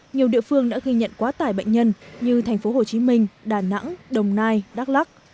nhiều địa phương đã ghi nhận quá tải bệnh nhân như thành phố hồ chí minh đà nẵng đồng nai đắk lắc